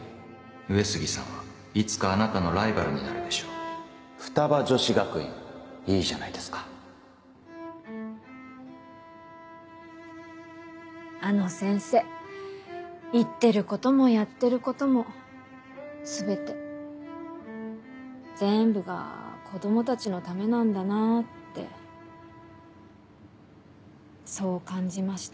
上杉さんはいつかあなたのライバルにな二葉女子学院いいじゃないですかあの先生言ってることもやってることも全て全部が子供たちのためなんだなってそう感じました。